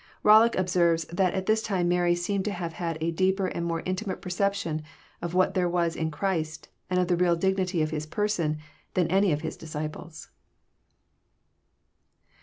Bollock observes that at this time Mary seems to have had a deeper and more intimate perception of what there was in Christ, and of the real dignity of His person, than any of His disciples.